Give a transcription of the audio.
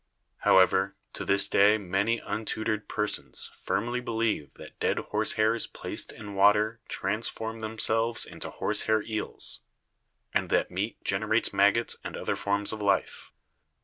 However, to this day many untutored persons firmly believe that dead horse hairs placed in water transform themselves into horse hair eels and that meat generates maggots and other forms of life.